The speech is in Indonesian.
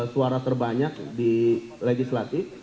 suara terbanyak di legislatif